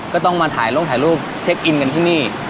ก็ต้องมาถ่ายลงถ่ายรูปเช็คอินกันที่นี่